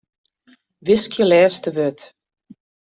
Wiskje lêste wurd.